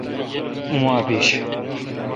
اوما بیش۔